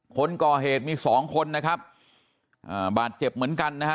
คนก่อเหตุมีสองคนนะครับอ่าบาดเจ็บเหมือนกันนะฮะ